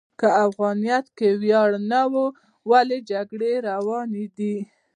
که افغانیت کې ویاړ نه و، ولې جګړې روانې دي؟